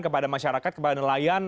kepada masyarakat kepada nelayan